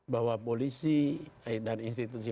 bahwa polisi dan institusi